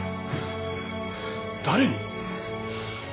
誰に！？